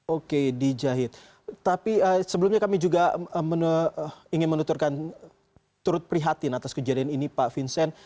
oke dijahit tapi sebelumnya kami juga ingin menuturkan turut prihatin atas kejadian ini pak vincent